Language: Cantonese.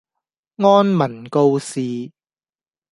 安民告示